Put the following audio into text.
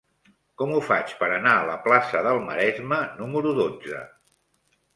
Com ho faig per anar a la plaça del Maresme número dotze?